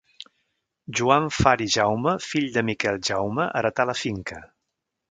Joan Far i Jaume, fill de Miquel Jaume, heretà la finca.